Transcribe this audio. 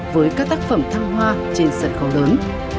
với các tác phẩm thăng hoa trên sân khấu lớn